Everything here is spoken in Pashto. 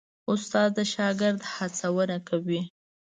استاد د شاګرد هڅونه کوي.